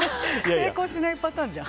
成功しないパターンじゃん。